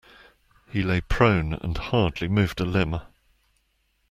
He lay prone and hardly moved a limb.